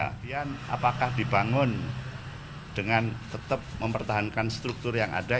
kemudian apakah dibangun dengan tetap mempertahankan struktur yang ada